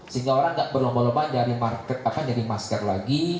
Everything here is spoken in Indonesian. sehingga orang gak berlomba lomba jadi masker lagi